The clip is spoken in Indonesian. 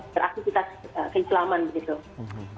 beraktivitas keislaman gitu